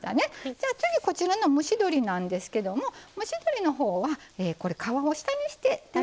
じゃあ次こちらの蒸し鶏なんですけども蒸し鶏のほうは皮を下にして耐熱容器に入れています。